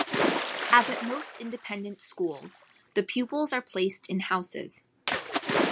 As at most independent schools, the pupils are placed in houses.